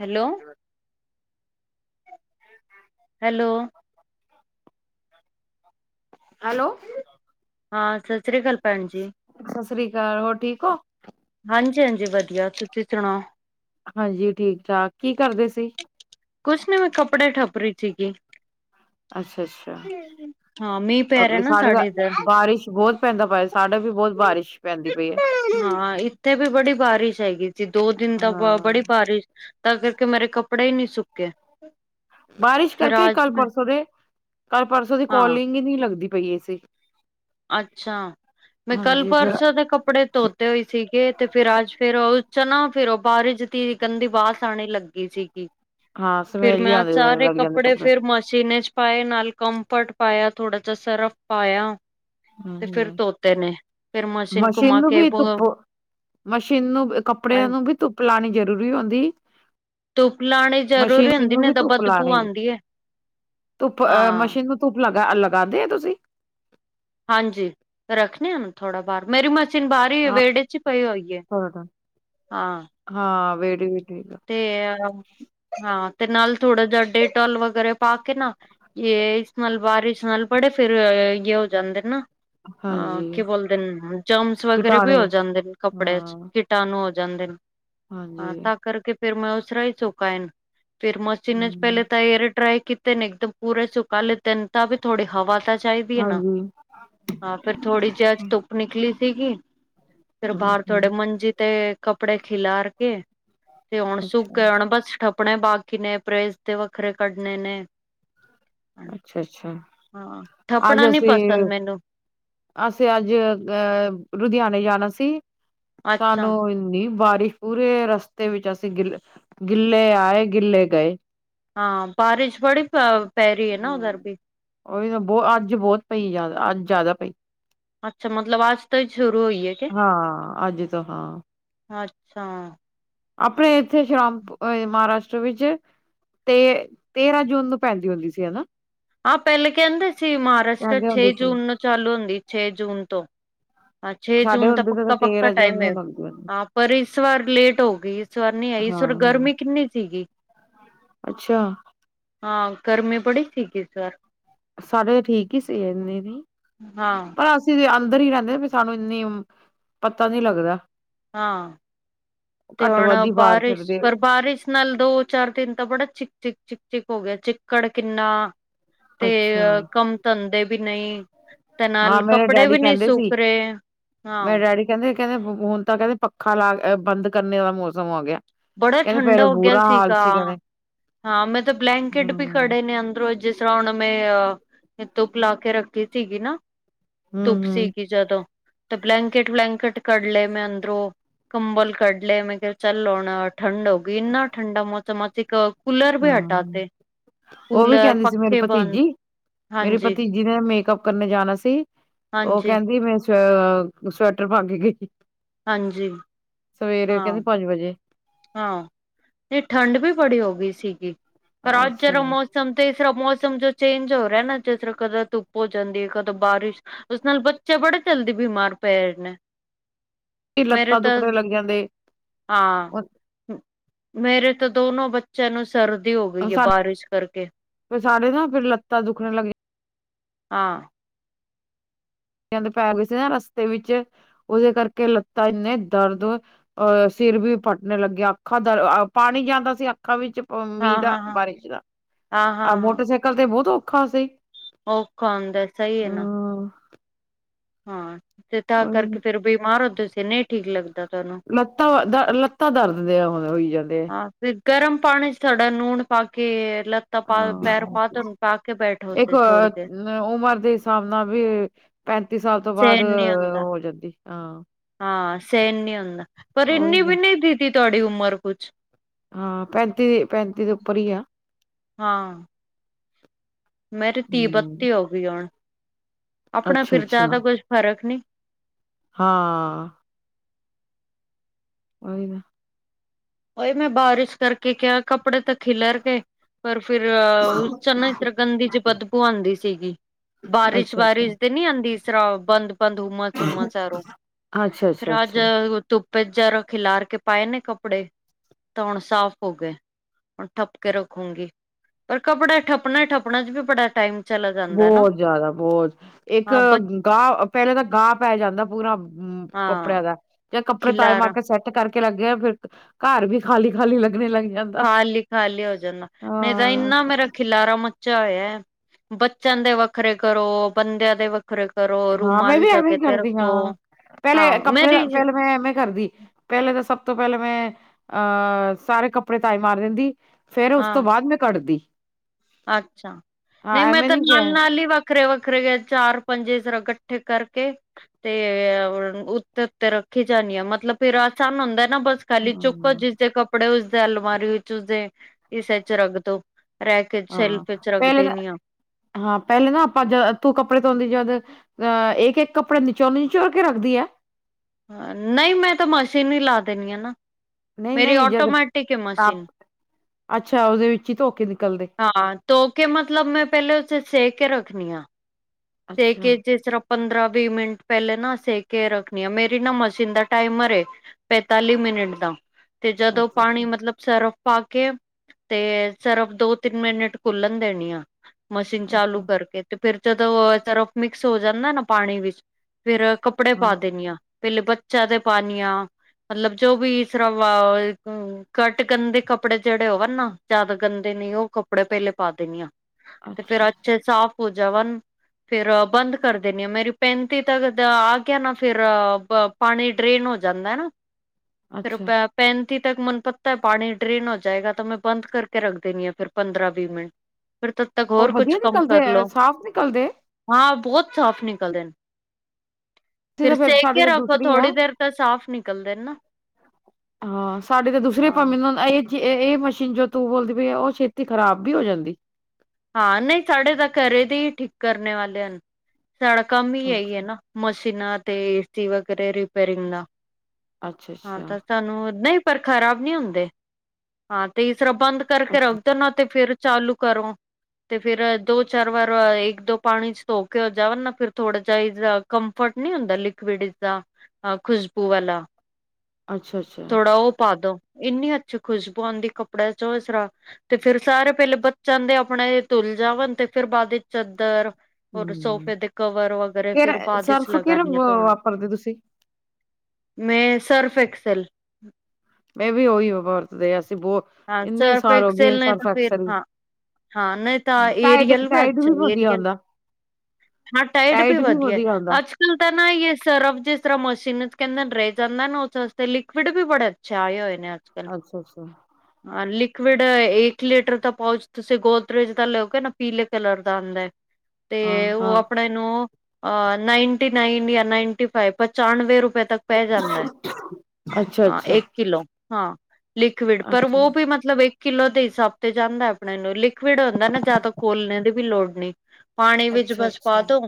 Hello, hello hello ਹਾਂ ਸਤਿ ਸ੍ਰੀ ਅਕਾਲ ਭੈਣ ਜੀ ਸ਼ ਸ਼੍ਰੀ ਕਾਲ ਹੋਰ ਠੀਕ ਓ? ਹਾਂਜੀ-ਹਾਂਜੀ ਵਧੀਆ ਤੁਸੀਂ ਸੁਣਾਓ? ਹਾਂਜੀ ਠੀਕ ਠਾਕ ਕੀ ਕਰਦੇ ਸੀ? ਕੁਛ ਨੀ ਮੈਂ ਕੱਪੜੇ ਠੱਪ ਰੀ ਸੀਗੀ। ਅੱਛਾ-ਅੱਛਾ, ਹਾਂ ਮੀਂਹ ਪੈ ਰਿਹਾ ਅ ਨਾ ਸਾਡੇ ਤਾਂ ਇੱਧਰ ਬਾਰਿਸ਼ ਬੋ ਪੈਂਦਾ ਪਿਆ ਸਾਡਾ ਵੀ ਬੋਤ ਬਾਰਿਸ਼ ਪੈਂਦੀ ਪਈ ਏ। ਹਾਂ ਇੱਥੇ ਵੀ ਬੜੀ ਬਾਰਿਸ਼ ਹੈਗੀ ਸੀ ਦੋ ਦਿਨ ਤਾਂ ਬਾ ਹਾਂ। ਬੜੀ ਬਾਰਿਸ਼ ਤਾਂ ਕਰਕੇ ਮੇਰੇ ਕੱਪੜਾ ਈ ਨੀ ਸੁੱਕੇ। ਬਾਰਿਸ਼ ਫਿਰ ਕਰਕੇ ਅੱਜ ਮੈਂ ਕੱਲ-ਪਰਸੋਂ ਦੇ, ਕੱਲ ਪਰਸੋਂ ਦੀ ਹਾਂ ਕੋਲਿੰਗ ਈ ਨੀ ਲੱਗਦੀ ਪਈ ਏ ਸੀ। ਅੱਛਾ ਮੈਂ ਫੇਰ ਕੱਲ-ਪਰਸੋਂ ਦੇ ਕੱਪੜੇ ਧੋ ਤੇ ਹੋਈ ਸੀਗੇ ਤੇ ਫਿਰ ਅੱਜ ਫੇਰ ਓ ਚ ਨਾ ਫਿਰ ਓ ਬਾਰਿਜ ਤੀ ਗੰਦੀ ਬਾਸ ਆਣੀ ਲੱਗੀ ਸੀਗੀ। ਹਾਂ ਫਿਰ ਸਮੈਲ ਹੀ ਮੈਂ ਆਂਦੇ ਚਾਰੇ ਲੱਗ ਜਾਂਦੇ ਕੱਪੜੇ ਫਿਰ ਮਸ਼ੀਨ ਏ ਚ ਪਾਏ ਨਾਲ ਕੰਫਰਟ ਪਾਇਆ, ਥੋੜਾ ਜਾ ਸ਼ਰਫ਼ ਪਾਇਆ। ਤੇ ਫਿਰ ਹੂੰ, ਧੋਤੇ ਨੇ ਫਿਰ ਮਸ਼ੀਨ ਘੁਮਾ ਨੂੰ ਕੇ ਵੀ ਬਹੁ ਧੁੱਪ ਮਸ਼ੀਨ ਨੂੰ ਕੱਪੜਿਆਂ ਹਾਂਜੀ ਨੂੰ ਵੀ ਧੁੱਪ ਲਾਨੀ ਜ਼ਰੂਰੀ ਹੁੰਦੀ। ਧੁੱਪ ਲਾਣੀ ਮਸ਼ੀਨ ਜ਼ਰੂਰੀ ਹੁੰਦੀ ਨੂੰ ਵੀ ਨਈ ਤਾਂ ਧੁੱਪ ਬਦਬੂ ਲਾਣੀ ਆਂਦੀ ਏ। ਧੁੱਪ ਅ ਹਾਂ ਮਸ਼ੀਨ ਨੂੰ ਧੁੱਪ ਲਗਾ ਲਗਾਦੇ ਐ ਤੁਸੀਂ? ਹਾਂਜੀ ਰੱਖਨੇ ਆ ਏਨੂੰ ਥੋੜਾ ਬਾਰ ਮੇਰੀ ਮਸ ਚਨ ਬਾਰੀ ਏ ਵੇੜੇ ਚ ਪਏ ਹੋਈਏ ਏ, ਹਾਂ ਹਾਂ। ਹਾਂ ਵੇੜੇ ਵਿਚ ਵੀ ਆ। ਤੇ ਹਾਂ ਤੇ ਨਾਲ ਥੋੜਾ ਜਾ ਡੇਟੋਲ ਵਗੈਰਾ ਪਾ ਕੇ ਨਾ ਜੇ ਇਸ ਨਾਲ ਬਾਰਿਸ਼ ਨਾਲ ਪੜੇ ਫਿਰ ਜੇ ਹੋ ਜਾਂਦੇ ਨਾ। ਅ ਹਾਂਜੀ ਕੀ ਬੋਲਦੇ ਨੇ ਜਮਸ ਵਗੈਰਾ ਵੀ ਹੋ ਕੀਟਾਣੂ ਜਾਂਦੇ ਨੇ ਕੱਪੜਿਆਂ ਚ ਹਾਂ ਕੀ ਟਾਨੂੰ ਹੋ ਜਾਂਦੇ ਨੇ, ਹਾਂਜੀ ਹਾਂ ਤਾਂ ਕਰਕੇ ਫੇਰ ਮੈਂ ਉਸ ਤਰਾਂ ਈ ਸੋਕਾ ਏਨੂੰ। ਫਿਰ ਮਸ਼ੀਨਾਂ ਇਚ ਪੈਲੇ ਹੂੰ ਤਾਂ ਏਅਰ ਟਰਾਏ ਕੀ ਤੇ ਨ ਇੱਕਦਮ ਪੂਰੇ ਸੁਕਾਲੇ ਤਿੰਨ ਤਾਂ ਵੀ ਥੋੜੀ ਹਵਾ ਤਾਂ ਚਾਈਦੀ ਐ ਨਾ। ਹਾਂਜੀ ਹਾਂ ਫਿਰ ਥੋੜੀ ਜੀ ਅੱਜ ਧੁੱਪ ਨਿਕਲੀ ਸੀਗੀ ਫਿਰ ਹੂੰ ਬਾਰ ਥੋੜੇ ਹੂੰ ਮੰਜੀ ਤੇ ਕੱਪੜੇ ਖਿਲਾਰ ਕੇ ਤੇ ਹੁਣ ਅੱਛਾ ਸੁੱਕ ਹੁਣ ਬਸ ਠੱਪਣੇ ਬਾਕੀ ਨੇ‌ ਪ੍ਰੈਸ ਤੇ ਵੱਖਰੇ ਕੱਢਨੇ ਨੇ। ਅੱਛਾ ਅੱਛਾ ਹਾਂ ਅੱਜ ਠੱਪਣਾ ਨੀ ਅਸੀਂ ਪਸੰਦ ਮੈਨੂੰ। ਅਸੀਂ ਅੱਜ ਅ ਲੁਧਿਆਣੇ ਜਾਣਾ ਸੀ, ਅੱਛਾ ਸਾਨੂੰ ਏਨੀ ਬਾਰਿਸ਼ ਪੂਰੇ ਰਸਤੇ ਵਿੱਚ ਅਸੀਂ ਗਿੱਲ ਗਿੱਲੇ ਆਏ, ਗਿੱਲੇ ਗਏ। ਹਾਂ ਬਾਰਿਸ਼ ਬੜੀ ਪ ਪੈ ਰੀ ਏ ਨਾ ਉਧਰ ਹੂੰ ਵੀ। ਉਹੀ ਨਾ ਬੋ ਅੱਜ ਬੋਤ ਪਈ ਜਿਆਦਾ ਅੱਜ ਜਿਆਦਾ ਪਈ। ਅੱਛਾ ਮਤਲਬ ਅੱਜ ਤੋਂ ਹੀ ਸ਼ੁਰੂ ਹੋਈ ਏ ਕਿ? ਹਾਂ ਅੱਜ ਤੋਂ ਹਾਂ ਅੱਛਾ ਆਪਣੇ ਇੱਥੇ ਸ਼ਾਮ ਮਹਾਰਾਸ਼ਟਰ ਵਿੱਚ, ਤੇ ਤੇਰਾਂ ਜੂਨ ਨੂੰ ਪੈਂਦੀ ਹੁੰਦੀ ਸੀ ਹਨਾ। ਆਹ ਪਹਿਲੇ ਕਹਿੰਦੇ ਸੀ ਮਹਾਰਾਸ਼ਟਰ ਕਹਿੰਦੇ ਹੁੰਦੀ ਛੇ ਸੀ ਜੂਨ ਨੂੰ ਚਾਲੂ ਹੁੰਦੀ ਛੇ ਜੂਨ ਤੋਂ। ਹਾਂ ਛੇ ਸਾਡੇ ਜੂਨ ਤਾਂ ਹੁੰਦੇ ਤੇ ਪੱਕਾ-ਪੱਕਾ ਤੇਰਾਂ ਜੂਨ ਟਾਈਮ ਏ। ਨੂੰ ਲੱਗਦੀ ਹੁੰਦੀ ਹਾਂ, ਪਰ ਇਸ ਵਾਰ ਲੇਟ ਹੋ ਗਈ ਇਸ ਵਾਰ ਨਹੀਂ ਆਈ ਇਸ ਵਾਰ ਹਾਂ ਗਰਮੀ ਕਿੰਨੀ ਸੀਗੀ। ਅੱਛਾ ਹਾਂ, ਗਰਮੀ ਬੜੀ ਸੀ ਇਸ ਵਾਰ। ਸਾਡੇ ਤਾਂ ਠੀਕ ਹੀ ਸੀ ਇੰਨੀ ਨੀ ਹਾਂ ਪਰ ਅੱ ਜ ਅੰਦਰ ਹੀ ਰਹਿੰਦੇ ਵੀ ਸਾਨੂੰ ਇੰਨੀ ਪਤਾ ਨੀ ਲੱਗਦਾ। ਹਾਂ ਤੇ ਘੱਟ ਹੁਣ ਵੱਧ ਹੀ ਬਾਹਰ ਬਾਰਿਸ਼ ਫਿਰਦੇ ਪਰ ਬਾਰੀਸ਼। ਨਾਲੇ ਦੋ-ਚਾਰ ਦਿਨ ਤਾਂ ਬੜਾ ਚਿਕ ਚਿਕ ਚਿਕ ਚਿਕ ਹੋ ਗਿਆ ਚਿੱਕੜ ਕਿੰਨਾ? ਤੇ ਅੱਛਾ ਕੰਮ ਧੰਦੇ ਵੀ ਨਹੀਂ ਤੇ ਹਾਂ ਨਾਲ ਮੇਰੇ ਕੱਪੜੇ ਡੈਡੀ ਵੀ ਨੀ ਸੁਖ ਰਹੇ। ਕਹਿੰਦੇ-ਕਹਿੰਦੇ। ਹੁਣ ਤਾਂ ਕਹਿੰਦੇ ਪੱਖਾ ਲਾ ਬੰਦ ਕਰਨੇ ਦਾ ਮੌਸਮ ਹੋ ਗਿਆ। ਬੜਾ ਕਹਿੰਦੇ ਠੰਡਾ ਫੇਰ ਹੋ ਗਿਆ ਬੁਰਾ ਹਾਲ ਸੀਗਾ ਸੀ ਹਾਂ। ਕਹਿੰਦੇ ਹਾਂ ਮੈਂ ਤਾਂ ਬਲੈਂਕਟ ਵੀ ਹਮ ਕੱਢੇ ਨੇ ਅੰਦਰੋਂ ਜਿਸ ਤਾਂ ਹੁਣ ਮੈਂ ਧੁੱਪ ਲਾ ਕੇ ਰੱਖੀ ਸੀਗੀ ਨਾ ਧੁੱਪ ਹਮ ਹਮ ਸੀਗੀ। ਜਦੋਂ ਤੇ ਬਲੈਂਕਟ ਵਲੈਂਕਟ ਕੱਢ ਲਏ ਮੈਂ ਅੰਦਰੋਂ। ਕੰਬਲ ਕੱਢ ਲਏ ਮੈਂ ਕਿਹਾ ਚੱਲ ਹੁਣ ਠੰਡ ਹੋ ਗਈ ਇੰਨਾ ਠੰਡਾ ਮੌਸਮ ਅਸੀ ਕੂਲਰ ਵੀ ਹਟਾ ਹਾਂ ਤੇ ਉਹ ਵੀ ਕੂਲਰ ਕਹਿੰਦੀ ਸੀ ਪੱਖੇ ਬੰਦ। ਹਾਂਜੀ ਜਿਹਨੇ ਮੇਕਅਪ ਕਰਨੇ ਜਾਣਾ ਸੀ। ਉਹ ਹਾਂਜੀ ਕਹਿੰਦੀ ਮੈਂ ਸ ਸਵੈਟਰ ਪਾ ਕੇ ਗਈ। ਹਾਂਜੀ ਸਵੇਰੇ ਹਾਂ ਕਹਿੰਦੇ ਪੰਜ ਵਜੇ। ਹਾਂ ਤੇ ਠੰਡ ਵੀ ਬੜੀ ਹੋ ਗਈ ਸੀਗੀ ਪਰ ਅੱਜ ਅੱਛਾ ਜਰਾ ਮੌਸਮ ਤੇ ਇਸ ਤਰ੍ਹਾਂ ਮੌਸਮ ਜੋ ਚੇਂਜ ਹੋ ਰਿਹਾ ਨਾ ਜਿਸ ਤਰ੍ਹਾਂ ਕਦੋਂ ਧੁੱਪ ਹੋ ਜਾਂਦੀ ਹੈ ਕਦੋਂ ਬਾਰਿਸ਼ ਉਸ ਨਾਲ ਬੱਚੇ ਬੜੇ ਜਲਦੀ ਬਿਮਾਰ ਪੈ ਰਹੇ ਨੇ। ਤੇ ਮੇਰੇ ਲੱਤਾਂ ਤਾਂ ਦੁਖਣੇ ਲੱਗ ਜਾਂਦੇ ਹਾਂ, ਮੇਰੇ ਤਾਂ ਦੋਨੋ ਬੱਚਿਆਂ ਨੂੰ ਸਰਦੀ ਹੋ ਗਈ ਹੈ ਸਾਨੂੰ ਬਾਰਿਸ਼ ਕਰਕੇ [inaudible] ਸਾਰੇ ਨਾ ਫਿਰ ਲੱਤਾਂ ਦੁਖਣ ਲੱਗ ਹਾਂ। ਪੈ ਗਏ ਸੀ ਨਾ ਰਸਤੇ ਵਿੱਚ ਉਹਦੇ ਕਰਕੇ ਲੱਤਾ ਇੰਨੇ ਦਰਦ ਅ ਸਿਰ ਵੀ ਫੱਟਨ ਲੱਗ ਅੱਖਾਂ ਦਰਦ ਪਾਣੀ ਜਾਂਦਾ ਸੀ ਅੱਖਾਂ ਵਿੱਚ ਮੀਂਹ ਹਾਂ ਦਾ ਹਾਂ ਹਾਂ ਬਾਰਿਸ਼ ਦਾ ਹਾਂ ਆ ਹਾਂ ਹਾਂ ਮੋਟਰਸਾਈਕਲ ਤੇ ਬਹੁਤ ਔਖਾ ਸੀ। ਔਖਾ ਹੁੰਦਾ ਸਹੀ ਏ ਨਾ ਹਮ ਹਾਂ, ਤੇ ਤਾਂ ਉਹੀ ਕਰਕੇ ਫੇਰ ਬਿਮਾਰ ਹੋ ਤੁਸੀ ਨਈ ਠੀਕ ਲੱਗਦਾ ਤੁਹਾਨੂੰ ਤ ਦ ਲੱਤਾਂ ਦਰਦ ਨੇ ਹੋਈ ਜਾਂਦੇ ਆ। ਹਾਂ ਫਿਰ ਗਰਮ ਪਾਣੀ ਚ ਥੋੜਾ ਲੂਣ ਪਾ ਕੇ ਲ ਹਾਂ, ਇੱਕ ਤੇ ਥੋੜੀ ਦੇਰ ਉਮਰ ਦੇ ਹਿਸਾਬ ਨਾਲ ਵੀ ਪੈਂਤੀ ਸਾਲ ਤੋਂ ਬਾਅਦ ਸਹਿਣ ਨੀ ਹੁੰਦਾ ਉਹ ਹੋ ਜਾਂਦੀ ਹਾਂ। ਹਾਂ, ਸੇਣ ਨੀ ਹੁੰਦਾ ਪਰ ਉਹੀ ਇੰਨੀ ਨਾ ਵੀ ਨਹੀਂ ਦਿਖਦੀ ਤੁਹਾਡੀ ਉਮਰ ਕੁਛ ਹਾਂ, ਪੈਂਤੀ ਦੇ ਪੈਂਤੀ ਦੇ ਉੱਪਰ ਹੀ ਆ ਹਾਂ। ਮੈਂ ਤੇ ਤੀਹ ਹਮ ਬੱਤੀ ਹੋ ਗਈ ਹੁਣ ਆਪਣਾ ਅੱਛਾ ਫਿਰ ਅੱਛਾ ਜਾਦਾ ਕੁਛ ਕੁਝ ਫਰਕ ਨਹੀਂ। ਹਾਂ। ਉਹੀ ਨਾ ਉਹੀ ਮੈਂ ਬਾਰਿਸ਼ ਕਰਕੇ ਕਿਹਾ ਕੱਪੜੇ ਤਾਂ ਖਿਲਰਗੇ ਪਰ ਫਿਰ ਚਨਤ ਗੰਦੀ 'ਚ ਬਦਬੂ ਆਉਂਦੀ ਸੀਗੀ। ਅੱਛਾ ਅੱਛਾ ਬਾਰਿਸ਼-ਬਾਰਿਸ਼ ਤੇ ਨੀ ਆਉਂਦੀ ਜਿਸਰਾ ਬੰਦ- ਬੰਦ ਹੁੰਮਸ- ਹੁੰਮਸ ਚਾਰੋ ਅੱਛਾ ਫਿਰ ਅੱਛਾ ਅੱਜ ਅੱਛਾ ਧੁੱਪੇ ਜਰ ਖਿਲਾਰ ਕੇ ਪਾਏ ਨੇ ਕੱਪੜੇ ਤਾਂ ਹੁਣ ਸਾਫ਼ ਹੋ ਗਏ ਹੁਨ ਠੱਪ ਕੇ ਰੱਖੂਗੀ, ਪਰ ਕੱਪੜਾ ਠੱਪਣੇ-ਠੱਪਣੇ 'ਚ ਵੀ ਬੜਾ ਟਾਈਮ ਚਲਾ ਜਾਂਦਾ ਨਾ ਬਹੁਤ ਜਿਆਦਾ ਬਹੁਤ ਇੱਕ ਹਾਂ ਬ ਗਾਹ ਪਹਿਲੇ ਤਾਂ ਗਾਹ ਪੈ ਜਾਂਦਾ ਪੂਰਾ ਹਮ ਹਾਂ ਕੱਪੜਿਆਂ ਦਾ ਜਾਂ ਕੱਪੜੇ ਤਾਏ ਮਾਰ ਖਿਲਾਰਾ ਕੇ ਸੈ ਕਰਕੇ ਲੱਗੇ ਫਿਰ ਘਰ ਵੀ ਖਾਲੀ-ਖਾਲੀ ਲੱਗਣੇ ਲੱਗ ਜਾਂਦੇ। ਖਾਲੀ-ਖਾਲੀ ਹੋ ਜਾਂਨਾ ਨਹੀਂ ਤਾਂ ਇੰਨਾ ਮੇਰਾ ਖਿਲਾਰਾ ਮ ਚਆ ਹੋਆ ਬੱਚਿਆਂ ਦੇ ਵੱਖਰੇ ਕਰੋ ਬੰਦਿਆਂ ਦੇ ਵ ਵੱਖਰੇ ਕਰੋ। ਹਾਂ, ਮੈਂ ਰੁਮਾਲ ਵੀ ਐਵੇਂ ਜਗ੍ਹਾ ਹੀ ਤੇ ਕਰਦੀ ਰੱਖੋ ਆੰ ਪਹਿਲੇ ਹਾਂ ਕੱਪੜੇ ਦਾ ਮੇਰੀ ਪਹਿਲੇ ਮੈਂ ਐਵੇਂ ਕਰਦੀ ਪਹਿਲੇ ਤਾਂ ਸਭ ਤੋਂ ਪਹਿਲਾਂ ਮੈਂ ਅਹ ਸਾਰੇ ਕੱਪੜੇ ਤਾਏ ਮਾਰ ਦਿੰਦੀ ਫੇਰ ਉਸ ਤੋਂ ਹਾਂ ਬਾਅਦ ਮੈਂ ਕੱਢਦੀ ਅੱਛਾ, [inaudible] ਹਾਂ ਨਹੀਂ ਮੈਂ ਐਵੇਂ ਤਾਂ ਨੀ ਕਿ ਨਾਲ-ਨਾਲ ਹੀ ਵਖ ਵੱਖਰੇ-ਵੱਖਰੇ, ਜੇ ਚਾਰ ਪੰਜੇ ਜਿਸਰਾ ਕੱਠੇ ਕਰਕੇ ਤੇ ਉੱਤੇ-ਉੱਤੇ ਰੱਖੀ ਜਾਨੀ ਆ ਮਤਲਬ ਫਿਰ ਆਸਾਨ ਹੁੰਦਾ ਏ ਨਾ ਬਸ ਖਾਲੀ ਚੁੱਕੋ ਹਾਂ ਜਿਸਦੇ ਕੱਪੜੇ ਉਸਦੇ ਅਲਮਾਰੀ ਵਿੱਚ ਉਸਦੇ ਹਿਸੇ 'ਚ ਰੱਖ ਦੋ ਰੈਕ ਹਾਂ, ਸੈਲਫ ਚ ਰੱਖ ਪਹਿਲੇ ਨਾ ਦੇਣੀ ਆ ਹਾਂ ਪਹਿਲੇ ਨਾ ਆਪਾਂ ਜ ਤੂੰ ਕੱਪੜੇ ਧੋਂਦੀ ਜਦ ਅਹ ਇੱਕ-ਇੱਕ ਕੱਪੜੇ ਨਿਚੋ-ਨਿਚੋ ਕੇ ਰੱਖਦੀ ਐ ਹਾੰ ਨਹੀਂ, ਮੈਂ ਤਾਂ ਮਸ਼ੀਨ ਹੀ ਲਾ ਦੇਨੀ ਆ ਨਾ, ਨਹੀਂ ਮੇਰੀ ਨਹੀਂ ਜਦ ਆਟੋਮੈਟਿਕ ਏ ਆਪ ਮਸ਼ੀਨ। ਅੱਛਾ, ਉਹਦੇ ਵਿੱਚ ਹੀ ਧੋ ਕੇ ਨਿਕਲਦੇ ਹਾਂ, ਤੋ ਕੇ ਮਤਲਬ ਮੈਂ ਪਹਿਲੇ ਉੇ ਸੇ ਕੇ ਰੱਖਣੀ ਆ ਸੇ ਅੱਛਾ ਕੇ ਜਿਸ ਤਰਾ ਪੰਦਰਾਂ ਵੀਹ ਮਿੰਟ ਪਹਿਲੇ ਨਾ ਸੇ ਕੇ ਰੱਖਨੀ ਆ ਮੇਰੀ ਨਾ ਮਸ਼ੀਨ ਦਾ ਟਾਈਮਰ ਏ ਪੈਂਤਾਲੀ ਮਿੰਟ ਦਾ ਤੇ ਜਦੋਂ ਅੱਛਾ ਅੱਛਾ ਪਾਨੀ ਮਤਲਬ ਸਰਫ ਪਾ ਕੇ, ਤੇ ਸਰਫ ਦੋ-ਤਿੰਨ ਮਿੰਟ ਘੁਲਣ ਦੇਨੀ ਆ ਮਸ਼ੀਨ ਅੱਛਾ ਚਾਲੂ ਕਰਕੇ ਤੇ ਫਿਰ ਜਦੋਂ ਸਰਫ ਮਿਕਸ ਹੋ ਜਾੰਦਾ ਨਾ ਪਾਨੀ ਵਿੱਚ ਫੇਰ ਕੱਪੜੇ ਹਾਂ ਪਾ ਦੇਨੀ ਆ ਪਹਿਲੇ ਬੱਚਿਆਂ ਦੇ ਪਾਨੀ ਆ ਮਤਲਬ ਜੋ ਵੀ ਇਸ ਤਰ੍ਹਾਂ, ਘੱਟ ਗਨਦੇ ਕੱਪੜੇ ਜਿਹੜੇ ਹੋਵਨ ਨਾ ਜ਼ਾਆਦਾ ਗੰਦੇ ਨਹੀਂ ਉਹ ਕੱਪੜੇ ਪਹਿਲੇ ਪਾ ਦੇਨੀ ਆ, ਤੇ ਅੱਛਾ ਫੇਰ ਅੱਛੇ ਸਾਫ਼ ਹੋ ਜਾਵਨ ਫੇਰ ਬੰਦ ਕਰ ਦੇਨੀ ਆ, ਮੇਰੀ ਪੈਂਤੀ ਤੱਕ ਦਾ ਆ ਗਿਆ ਨਾ ਫੇਰ ਪਾਨੀ ਡਰੇਨ ਹੋ ਜਾਂਦਾ ਏ ਨਾ, ਫਿਰ ਓਹ ਅੱਛਾ ਪੈਪ ਪੈਂਤੀ ਤੱਕ ਮਨ ਪੱਤਾ ਐ ਪਾਨੀ ਡਰੇਨ ਹੋ ਜਾਏਗਾ ਤਾਂ ਮੈਂ ਬੰਦ ਕਰਕੇ ਰੱਖ ਦੇਨੀ ਆ ਫਿਰ ਪੰਦਰਾਂ ਵੀਹ-ਮਿੰਟ ਫਿਰ ਤਦ ਤੱਕ ਉਹ ਹੋਰ ਕੁਛ ਵਧੀਆ ਕੰਮ ਨਿਕਲਦੇ ਕਰ ਹੈ ਲੋ ਸਾਫ਼ ਨਿਕਲਦੇ ਹਾਂ ਬਹੁਤ ਸਾਫ਼ ਨਿਕਲਦੇ ਨੇ ਅਸੀਂ ਫਿਰ ਤਾਂ ਸੇ ਸਾਡੀ ਕੇ ਤਾਂ ਰੱਖੋ ਦੂਸਰੀ ਆ ਥੋੜੀ ਦੇਰ ਤਾਂ ਸਾਫ਼ ਨਿਕਲਦੇ ਨਾ ਹਾਂ ਸਾਡੇ ਤਾਂ ਦੂਸਰੇ ਪੰਮੀ ਨੂੰ ਹੂਨ ਇਹੀ ਕਿ ਇਹ ਮਸ਼ੀਨ ਜੋ ਤੂੰ ਬੋਲਦੀ ਪਈ ਏ ਉਹ ਛੇਤੀ ਖ਼ਰਾਬ ਵੀ ਹੋ ਜਾਂਦੀ ਹਾਂ ਨਹੀਂ ਸਾਡੇ ਤਾਂ ਘਰੇ ਦੇ ਹੀ ਠੀਕ ਕਰਨੇ ਵਾਲੇ ਹਨ, ਸਾਡਾ ਕੰਮ ਹੀ ਇਹੀ ਏ ਅੱਛਾ ਨਾ ਮਸ਼ੀਨਾਂ ਤੇ, ਏ ਸੀ ਵਗੈਰੇ, ਰ ਰਿਪੇਰਿੰਗ ਦਾ, ਅੱਛਾ ਹਾਂ ਅੱਛਾ ਤਾਂ ਸਾਨੂੰ ਨਹੀਂ ਪਰ ਖ਼ਰਾਬ ਨੀ ਹੁੰਦੇ, ਹਾਂ ਤੇ ਇਸ ਤਰ੍ਹਾਂ ਬੰਦ ਕਰਕੇ ਰ ਅੱਛਾ ਤੇ ਨਾ ਤਾਂ ਫਿਰ ਚਾਲੂ ਕਰੋ ਤੇ ਫੇਰ ਦੋ- ਚਾਰ ਵਾਰ ਇੱਕ- ਦੋ ਪਾਨੀ ਚ ਧੋ ਕੇ ਹੋ ਜਾਵਨ ਨਾ ਫਿਰ ਥੋੜਾ ਜਿਹੀ ਕਮਫਰਟ ਨਹੀਂ ਹੁੰਦਾ ਲੀਕਵਿਡ ਜਿੱਦਾ, ਖੁਸ਼ਬੂ ਵਾਲਾ ਅੱਛਾ ਅੱਛਾ ਥੋੜਾ ਉਹ ਪਾ ਦੋ। ਇੰਨੀ ਅੱਛੀ ਖੁਸ਼ਬੂ ਆਉਂਦੀ ਕੱਪੜਿਆਂ 'ਚੋਂ, ਤੇ ਫੇਰ ਸਾਰੇ ਪਹਿਲੇ ਬੱਚਿਆਂ ਦੇ ਹੁਣੇ ਇਹ ਧੁਲ ਜਾਵਣ, ਤੇ ਫਿਰ ਬਾਅਦ ਵਿੱਚ ਚਾਦਰ ਹੋਰ ਹਮ ਸੋਫੇ ਦੇ ਕਵਰ ਵਗੈਰਾ ਫੇਰ ਬਾਅਦ ਵਿੱਚ ਲਗਾਨੀ ਆ ਧੋਣ। ਮੈਂ ਸਰਫ ਐਕਸਲ। ਮੈਂ ਵੀ ਉਹੀ ਵਰਤਦੇ ਅਸੀਂ ਬਹੁਤ। ਹਾਂ ਸਰਫ ਐਕਸਲ ਤਾਂ ਫਿਰ ਹਾਂ। ਹਾਂ ਨਹੀਂ ਤਾਂ ਟਾਈਡ ਏਰੀਅਲ ਵੀ ਟਾਈਡ ਅੱਛਾ ਵਧੀਆ ਏਰੀਅਲ। ਹੁੰਦਾ ਹਾਂ ਟਾਇਡ ਵੀ ਵਧੀਆ। ਅੱਜ ਚਲ ਨਾ ਯ ਸਰਫ ਜਿਸ ਤਰ੍ਹਾਂ ਮਸ਼ੀਨ ਚ ਕੇੰਦਾ ਰਹਿ ਜਾਂਦਾ ਨਾ ਉਹਤੇ ਲਿਕਵਿਡ ਵੀ ਬੜਾ। ਛਾਏ ਹੋਏ ਨੇ ਅੱਜ। ਅੱਛਾ- ਅੱਛਾ। ਲਿਕੁਵਿਡ ਇੱਕ ਲੀਟਰ ਦਾ ਪਾਊਚ, ਤੁਸੀਂ ਗੋਦਰਰੇਜ ਦਾ ਲਓਗੇ ਨਾ ਪੀਲੇ ਕਲਰ ਦਾ ਹੁੰਦਾ ਹੈ। ਹਾਂ ਤੇ ਉਹ ਹਾਂ ਆਪਣਾ ਨੋ ਨਾਨਟੀ ਨਾਇਨ ਜਾ ਨਾਨਟੀ ਫਾਇਵ ਪਚਾਨਵੇਂ ਰੁਪਏ ਤੱਕ ਪੈ ਜਾਂਦਾ ਹੈ, ਅੱਛਾ ਹਾਂ ਅੱਛਾ ਇੱਕ ਕਿਲੋ ਹਾਂ, ਲਿਕਵਿਡ। ਪਰ ਅੱਛਾ ਉਹ ਵੀ ਮਤਲਬ ਇੱਕ ਕਿੱਲੋ ਦੇ ਹਿਸਾਬ ਤੇ ਜਾਂਦਾ ਆਪਣੇ ਨੂੰ, ਲਿਕੁਵਿਡ ਹੁੰਦਾ ਨਾ ਜਾਦਾ ਘੋਲਣੇ ਦੀ ਵੀ ਲੋੜ ਨਹੀਂ। ਪਾਣੀ ਵਿੱਚ ਅੱਛਾ ਬਸ ਪਾ ਅੱਛਾ ਦੋ,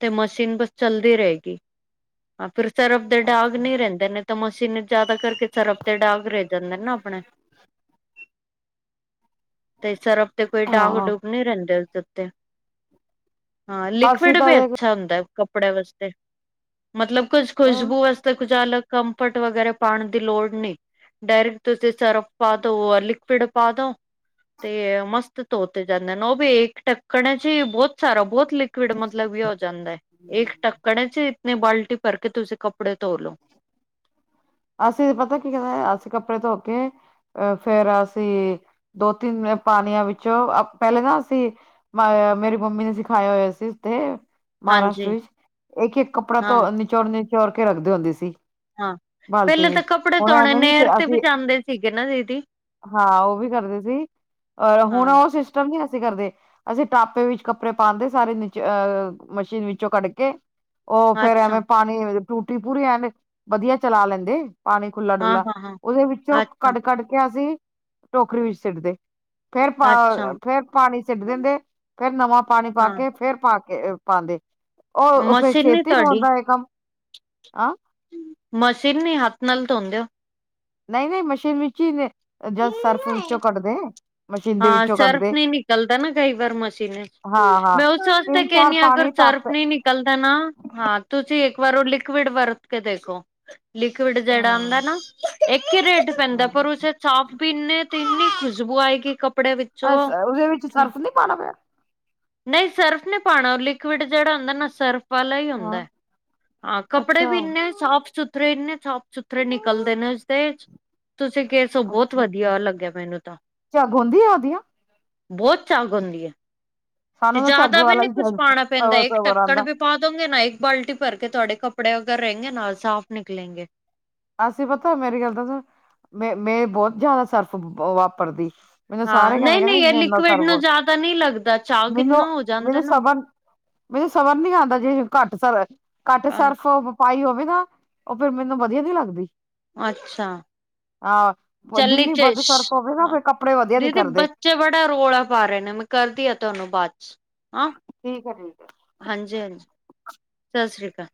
ਤੇ ਮਸ਼ੀਨ ਬਸ ਚੱਲਦੀ ਰਹੇਗੀ। ਹਾਂ ਫਿਰ ਸਰਫ ਦਾ ਡਾਗ ਅੱਛਾ ਨਹੀਂ ਰਹਿੰਦੇ ਨੇ। ਤਾਂ ਮਸ਼ੀਨ ਜਿਆਦਾ ਕਰਕੇ ਸਰਫ ਤੇ ਡਾਗ ਰਹਿ ਜਾਂਦੇ ਨਾ ਆਪਣੇ। ਤੇ ਸਰਫ ਦੇ ਕੋਈ ਡਾਗ- ਹਾਂ ਡੂਗ ਨਹੀਂ ਰਹਿੰਦੇ ਉਸਦੇ ਉੱਤੇ। ਹਾਂ ਅਸੀਂ ਲਿਕੁਵਿਡ ਤਾਂ ਵੀ ਦੇਖ ਅੱਛਾ ਹੁੰਦਾ ਕੱਪੜੇ ਵਾਸਤੇ। ਮਤਲਬ ਕੁੱਝ ਅ ਖੁਸ਼ਬੂ ਵਾਸਤੇ ਕੁਝ ਅਲੱਗ। ਕੰਫਰਟ ਵਗੈਰਾ ਪਾਉਣ ਦੀ ਲੋੜ ਨਹੀਂ, ਡਾਇਰੈਕਟ ਤੁਸੀਂ ਸਰਫ ਪਾ ਦੋ, ਆ ਲਿਕੁਵਿਡ ਪਾ ਦੋ, ਤੇ ਮਸਤ ਧੋਤੇ ਜਾਂਦੇ ਨੇ, ਉਹ ਵੀ ਇੱਕ ਢੱਕਣ ਹੈ ਜੀ ਬਹੁਤ ਸਾਰਾ ਬਹੁਤ ਲਿਕੁਵਿਡ ਮਤਲਬ ਵੀ ਹੋ ਜਾਂਦਾ, ਇੱਕ ਢੱਕਣੇ ਚ ਇਤਨੀ ਬਾਲਟੀ ਭਰ ਕੇ ਤੁਸੀਂ ਕੱਪੜੇ ਧੋ ਲੋ। [inaudible] ਅਸੀਂ ਤੇ ਪਤਾ ਕੀ ਕਰਦੇ, ਅਸੀਂ ਕੱਪੜੇ ਧੋ ਕੇ ਅ ਫੇਰ ਅਸੀਂ ਦੋ-ਤਿੰਨ ਪਾਣੀਆਂ ਵਿੱਚੋਂ ਪਹਿਲੇ ਨਾ ਅਸੀਂ ਮ ਮੇਰੀ ਮੰਮੀ ਨੇ ਸਿਖਾਇਆ ਹੋਇਆ ਸੀ ਉੱਥੇ। ਮਹਾਰਾਸ਼ਟਰ ਹਾਂਜੀ ਵਿੱਚ ਇੱਕ-ਇੱਕ ਕੱਪੜਾ ਹਾਂ ਧੋ ਨਿਚੋੜ-ਨਿਚੋੜ ਕੇ ਰੱਖਦੇ ਹੁੰਦੇ ਸੀ। ਹਾਂ, ਬਾਲਟੀ ਪਹਿਲੇ ਤਾਂ ਵਿੱਚ ਕੱਪੜੇ ਹੁਣ ਧੋਣੇ ਐਵੇਂ ਨੀ ਨਹਿਰ ਤੇ ਵੀ ਅਸੀਂ ਜਾਂਦੇ ਸੀਗੇ ਨਾ ਦੀਦੀ। ਹਾਂ ਉਹ ਵੀ ਕਰਦੇ ਸੀ, ਹੁਣ ਹਾਂ ਉਹ ਸਿਸਟਮ ਨਹੀਂ ਅਸੀਂ ਕਰਦੇ। ਅਸੀਂ ਟਾਪੇ ਵਿੱਚ ਕੱਪੜੇ ਪਾ ਦਿੰਦੇ, ਸਾਰੇ ਨ ਅਹ ਮਸ਼ੀਨ ਵਿੱਚੋਂ ਕੱਢ ਕੇ ਉਹ ਫੇਰ ਅੱਛਾ ਐਵੇਂ ਪਾਣੀ ਟੂਟੀ ਪੂਰੀ ਐਂਡ ਵਧੀਆ ਚਲਾ ਲੈਂਦੇ ਪਾਣੀ ਹਾਂ ਖੁੱਲਾ-ਡੁੱਲਾ, ਹਾਂ ਹਾਂ ਉਹਦੇ ਵਿੱਚੋਂ ਅੱਛਾ ਕੱਢ-ਕੱਢ ਕੇ ਅਸੀਂ ਟੋਕਰੀ ਵਿੱਚ ਸਿੱਟਦੇ। ਫੇਰ ਪਾ ਅੱਛਾ ਫੇਰ ਪਾਣੀ ਸਿੱਟ ਦਿੰਦੇ, ਫੇਰ ਨਵਾਂ ਪਾਣੀ ਪਾ ਹਾਂ ਕੇ ਫੇਰ ਪਾ ਕੇ ਪਾਂਦੇ, ਉਹ ਫੇਰ ਮਸ਼ੀਨ ਨੀ ਛੇਤੀ ਤੁਹਾਡੀ ਆਉਂਦਾ ਹੈ ਕੰਮ, ਹਾਂ। ਮਸ਼ੀਨ ਨੀ ਹੱਥ ਨਾਲ ਧੋਂਦੇ ਹੋ। ਨਹੀਂ-ਨਹੀਂ ਮਸ਼ੀਨ ਵਿੱਚ ਹੀ ਨੇ। ਜਦ ਸਰਫ ਵਿੱਚੋਂ ਕੱਢਦੇ ਮਸ਼ੀਨ ਦੇ ਹਾਂ, ਵਿੱਚੋਂ ਸਰਫ ਕੱਢਦੇ ਨਹੀਂ ਨਿਕਲਦਾ ਨਾ ਕਈ ਵਾਰ ਮਸ਼ੀਨਾਂ ਹਾਂ ਹਾਂ ਮੈਂ ਉਸ ਵਾਸਤੇ ਤਿੰਨ ਚਾਰ ਕਹਿਣੀ ਆ ਅਗਰ ਪਾਣੀ ਸਰਫ ਟੱਪ ਨਹੀਂ ਨਿਕਲਦਾ ਨਾ, ਹਾਂ ਤੁਸੀਂ ਇੱਕ ਵਾਰ ਉਹ ਲਿਕੁਵਿਡ ਵਰਤ ਕੇ ਦੇਖੋ। ਲਿਕੁਵਿਡ ਜਿਹੜਾ ਹਾਂ ਆਉਂਦਾ ਨਾ, ਇੱਕ ਹੀ ਰੇਟ ਪੈਂਦਾ ਹਾਂ ਪਰ ਉ ਸਾਫ਼ ਵੀ ਇਨੇ ਤੇ ਇੰਨੀ ਖੁਸ਼ਬੂ ਆਏਗੀ ਕੱਪੜੇ ਵਿੱ ਅਸ ਉਦੇ ਵਿੱਚ ਸ਼ਰਫ਼ ਨੀ ਪਾਣਾ ਪਿਆ? ਨਈ ਸਰਫ ਨੀਂ ਪਾਣਾ ਲਿਕਿਊਡ ਜੇੜਾ ਹੁੰਦਾ ਨਾ ਸਰਫ ਵਾਲਾ ਈ ਹਾਂ ਹੁੰਦੈ ਹਾਂ ਕੱਪੜੇ ਅੱਛਾ ਵੀ ਇੰਨੇ ਸਾਫ਼ ਸੁ ਥਰੇ ਇੰਨੇ ਸਾਫ਼-ਸੁਥਰੇ ਨਿਕਲਦੇ ਨੇ ਉਸਦੇ [inaudible] ਤੁਸੀਂ ਕਿਸ ਸੋ ਬੋਤ ਅੱਛਾ ਅੱਛਾ ਵਧੀਆ ਲੱਗਿਆ ਮੈਨੂੰ ਤਾਂ ਝੱਗ ਹੁੰਦੀ ਆ ਉਹਦੀਆਂ ਬੋਤ ਝੱਗ ਹੁੰਦੀ ਐ। ਤੇ ਸਾਨੂੰ ਤਾਂ ਝੱਗ ਜਾਦਾ ਵੀ ਵਾਲਾ ਨੀ ਕੁਛ ਹੀ ਪਾਣਾ ਪੈਂਦਾ ਸਬਰ ਇਕ ਸਬਰ ਢੱਕਣ ਆਉਂਦਾ ਵੀ ਪਾ ਦੋਗੇ ਨਾ ਇੱਕ ਬਾਲਟੀ ਭਰ ਕੇ ਤੁਹਾਡੇ ਕੱਪੜੇ ਅਗਰ ਰਏਂਗੇ ਨਾ ਸਾਫ਼ ਨਿਕਲੇਗੇ। ਅਸੀਂ ਪਤਾ ਮੇਰੀ ਗੱਲ ਤਾਂ ਸੁਣ ਮੈਂ ਮੈਂ ਬੋਤ ਜਾਦਾ ਸਰਫ਼ ਵਾਪਰਦੀ। ਮੈਨੂੰ ਹਾਂ ਸਾਰੇ ਨਹੀਂ ਨਹੀਂ ਇਹ ਕੈਂਦੇ-ਕੈਂਦੇ ਇਨਾ ਲਿਕਵਿਡ ਨੂੰ ਸ਼ਰਫ਼ ਜ਼ਿਆਦਾ ਨਹੀਂ ਲੱਗਦਾ ਝੱਗ ਇੰਨਾ ਹੋ ਜਾਂਦਾ ਮੇਨੂੰ-ਮੇਨੂੰ ਨਾ ਸਬ ਮੈਨੂੰ ਸਬਰ ਨੀ ਆਂਦਾ ਜੇ ਘੱਟ ਸਰ ਘੱਟ ਹਾਂ ਸ਼ਰਫ਼ ਪਾਈ ਹੋਵੇ ਨਾ ਓ ਫੇਰ ਮੈਨੂੰ ਵਧੀਆ ਨੀ ਲੱਗਦੀ। ਅੱਛਾ ਆ ਚੱਲੀ ਜਿੰਨੀ ਚ ਵੱਧ ਸ਼ਰਫ਼ ਹੋਵੇ ਨਾ ਫਿਰ ਕੱਪੜੇ ਵਧੀਆ ਨਿਖਰਦੇ ਚੇ ਬੜਾ ਰੌਲਾ ਪਾ ਰੇ ਨੇ ਮੈਂ ਕਰਦੀ ਆ ਤੁਹਾਨੂੰ ਬਾਦ ਚ ਹਾਂ ਠੀਕ ਐ ਠੀਕ ਐ। ਹਾਂਜੀ-ਹਾਂਜੀ ਸਸ ਸ੍ਰੀ ਕਾਲ।